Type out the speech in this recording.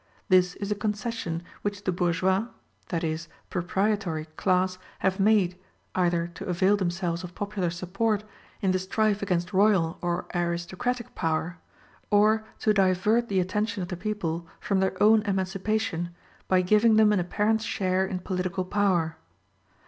This is a concession which the bourgeois (i. e., proprietory) class have made, either to avail themselves of popular support in the strife against royal or aristocratic power, or to divert the attention of the people from their own emancipation by giving them an apparent share in political power.